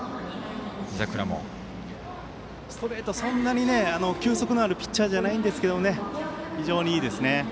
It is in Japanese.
ストレート、そんなに球速のあるピッチャーではないんですが非常にいいですね。